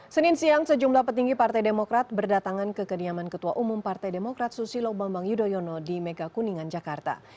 senin siang sejumlah petinggi partai demokrat berdatangan ke kediaman ketua umum partai demokrat susilo bambang yudhoyono di megakuningan jakarta